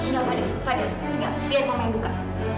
ya fadil fadil biar mama yang buka